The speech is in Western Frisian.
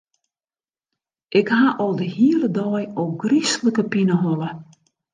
Ik ha al de hiele dei ôfgryslike pineholle.